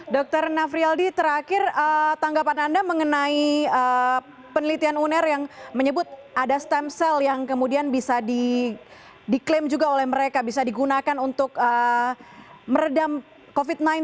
dr navrialdi terakhir tanggapan anda mengenai penelitian uner yang menyebut ada stem cell yang kemudian bisa diklaim juga oleh mereka bisa digunakan untuk meredam covid sembilan belas